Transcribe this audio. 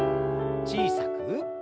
小さく。